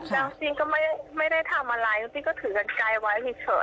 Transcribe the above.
จริงก็ไม่ได้ทำอะไรตรงจริงก็ถือกันไกลไว้ที่เฉยอ่ะ